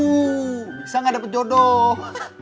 bisa gak dapet jodoh